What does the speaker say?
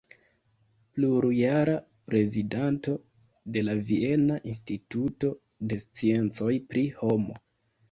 Plurjara prezidanto de la Viena Instituto de Sciencoj pri Homo.